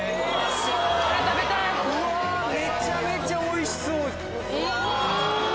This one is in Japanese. うわめちゃめちゃおいしそう！